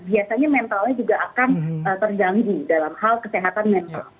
biasanya mentalnya juga akan terganggu dalam hal kesehatan mental